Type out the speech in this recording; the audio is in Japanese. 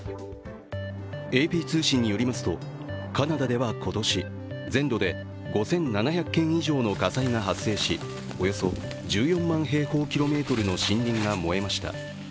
ＡＰ通信によりますと、カナダでは今年全土で５７００件以上の火災が発生しおよそ１４万平方キロメートルの森林が燃えました。